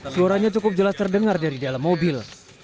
suaranya cukup jelas terdengar dari dalam mobil